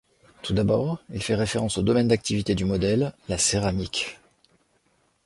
Tout d'abord, il fait référence au domaine d'activité du modèle, la céramique.